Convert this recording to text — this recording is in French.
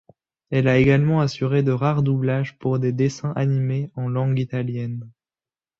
Elle a également assuré de rares doublages pour des dessins animés en langue italienne.